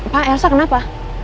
pak elsa kenapa